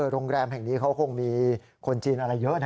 โรงแรมแห่งนี้เขาคงมีคนจีนอะไรเยอะนะ